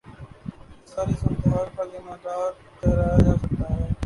اسے ساری صورت حال کا ذمہ دار ٹھہرایا جا سکتا ہے۔